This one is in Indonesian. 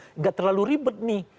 tidak terlalu ribet nih